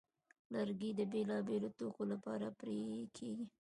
لرګی د بېلابېلو توکو لپاره پرې کېږي.